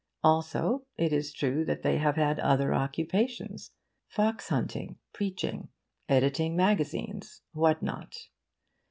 Also it is true that they have had other occupations fox hunting, preaching, editing magazines, what not.